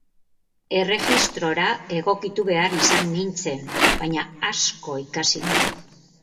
Erregistrora egokitu behar izan nintzen, baina asko ikasi nuen.